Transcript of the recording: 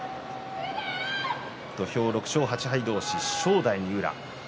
土俵は６勝８敗同士正代と宇良です。